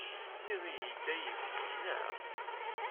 Tenniḍ-iyi-d ay ibki, neɣ?